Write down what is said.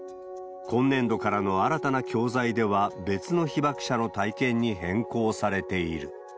今年度からの新たな教材では、別の被爆者の体験に変更されている。